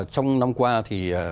trong năm qua thì